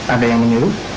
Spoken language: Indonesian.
ada yang menyuruh